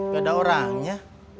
gak ada orangnya